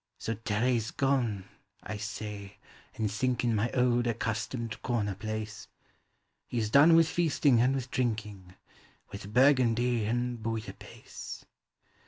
" So Terr£ 's gone," I say and sink in My old accustomed corner place; " He 's done with feasting and with drinking, With Burgundy and Bouillabaisse."